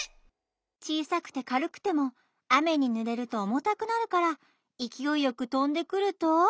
ちいさくてかるくてもあめにぬれるとおもたくなるからいきおいよくとんでくると。